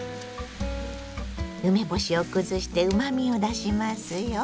梅干しを崩してうまみを出しますよ。